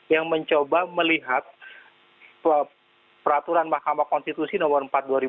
yang mencoba melihat peraturan mahkamah konstitusi nomor empat dua ribu dua